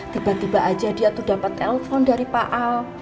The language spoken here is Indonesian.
tiba tiba aja dia tuh dapat telepon dari pak al